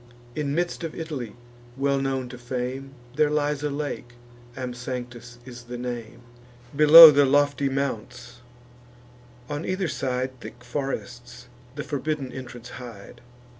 In midst of Italy, well known to fame, There lies a lake, Amsanctus is the name, Below the lofty mounts: on either side Thick forests the forbidden entrance hide.